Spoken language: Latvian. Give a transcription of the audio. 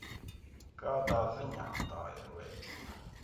Kādā ziņā tā ir veiksme?